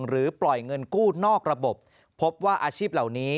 หรือปล่อยเงินกู้นอกระบบพบว่าอาชีพเหล่านี้